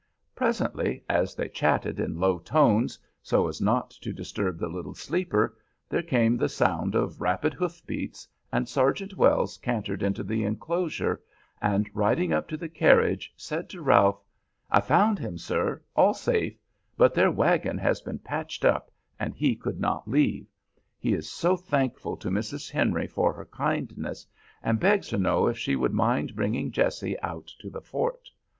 Presently, as they chatted in low tones so as not to disturb the little sleeper, there came the sound of rapid hoof beats, and Sergeant Wells cantered into the enclosure and, riding up to the carriage, said to Ralph, "I found him, sir, all safe; but their wagon was being patched up, and he could not leave. He is so thankful to Mrs. Henry for her kindness, and begs to know if she would mind bringing Jessie out to the fort.